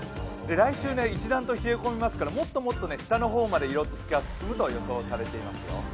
来週一段と冷え込みますから、もっともっと下の方まで色づきが進むと予想されていますよ。